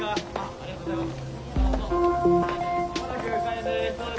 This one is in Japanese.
ありがとうございます。